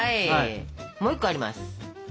もう１個あります。